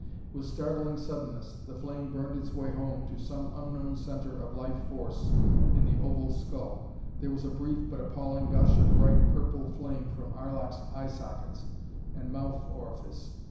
With startling suddenness the flame burned its way home to some unknown center of life force in the oval skull. There was a brief but appalling gush of bright purple flame from Arlok's eye sockets and mouth orifice.